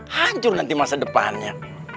hancur nanti masa depannya